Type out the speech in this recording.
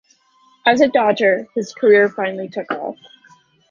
As a Dodger, his career finally took off.